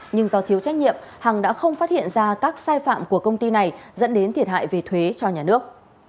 nhưng do thiếu trách nhiệm hằng đã không phát hiện ra các sai phạm của công ty này dẫn đến thiệt hại về thuế cho nhà nước